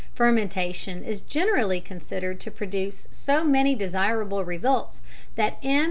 Fermentation is generally considered to produce so many desirable results that M.